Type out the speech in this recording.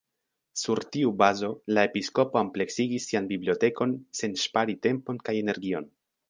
Sur tiu bazo la episkopo ampleksigis sian bibliotekon sen ŝpari tempon kaj energion.